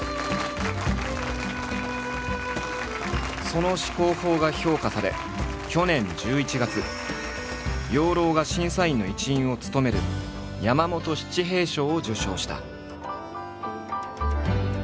その思考法が評価され去年１１月養老が審査員の一員を務める山本七平賞を受賞した。